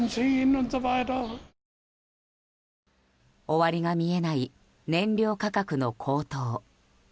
終わりが見えない燃料価格の高騰。